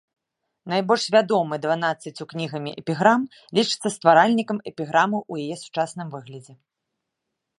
Найбольш вядомы дванаццаццю кнігамі эпіграм, лічыцца стваральнікам эпіграмы ў яе сучасным выглядзе.